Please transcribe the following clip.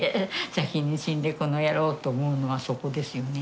先に死んでこの野郎と思うのはそこですよね。